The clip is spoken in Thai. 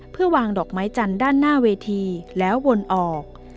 เพื่อวางดอกไม้จันทร์ด้านหน้าเวทีแล้ววนออก